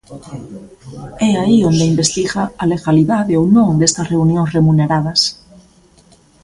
E aí onde investiga a legalidade ou non destas reunións remuneradas.